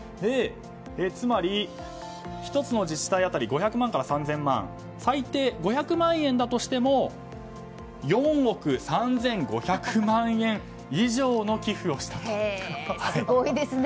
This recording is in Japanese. つまり、１つの自治体当たり５００万から３０００万最低５００万円だとしても４億３５００万円以上のすごいですね。